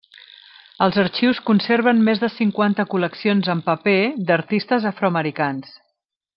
Els arxius conserven més de cinquanta col·leccions en paper d'artistes afroamericans.